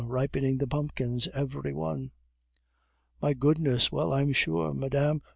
Ripening the pumpkins every one." "My goodness! Well, I'm sure! Mme.